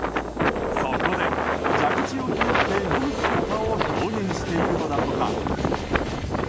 そこで蛇口をひねって、飲む姿を表現しているのだとか。